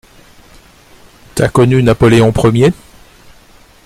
T'as connu Napoléon Ier ?